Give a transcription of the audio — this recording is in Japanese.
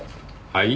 はい？